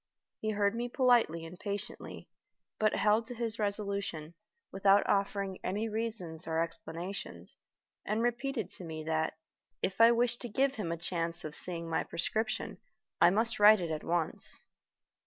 He heard me politely and patiently, but held to his resolution, without offering any reasons or explanations, and repeated to me that, if I wished to give him a chance of seeing my prescription, I must write it at once.